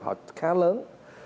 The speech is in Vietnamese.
họ khá lớn